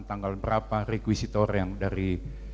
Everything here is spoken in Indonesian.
tanggal berapa requisitor yang dari